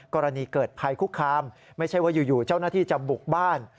กรณีเกิดภัยคุกคามไม่ใช่ว่าอยู่เจ้าหน้าที่จะบุกบ้าน